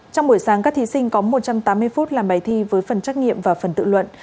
trong buổi sáng các thí sinh có một trăm tám mươi phút làm bài thi với phần trắc nghiệm và phần tự luận